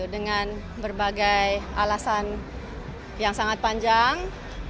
dengan berbagai alasan yang sangat panjang